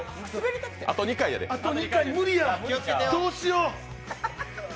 あと２回、無理や、どうしよう。